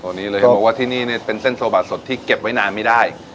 ตรงนี้เลยบอกว่าที่นี่เป็นเส้นโซบาสดที่เก็บไว้นานไม่ได้